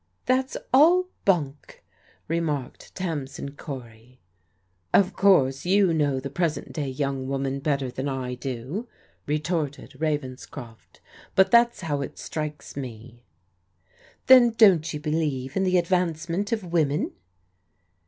That's all bunk," remarked Tamsin Cory. Of course you know the present day young woman better than I do," retorted Ravenscrof t, " but that's how it strikes me." "Then you don't believe in the advancement of women